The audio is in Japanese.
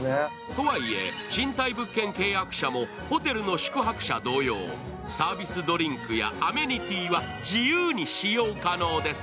とはいえ賃貸物件契約者もホテルの宿泊者同様サービスドリンクやアメニティーは自由に使用可能です。